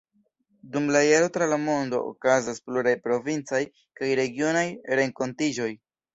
Dum la jaro tra la lando okazas pluraj provincaj kaj regionaj renkontiĝoj.